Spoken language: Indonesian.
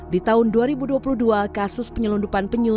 di tahun dua ribu dua puluh dua kasus penyelundupan penyu